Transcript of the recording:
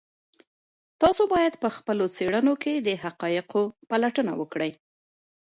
تاسو باید په خپلو څېړنو کې د حقایقو پلټنه وکړئ.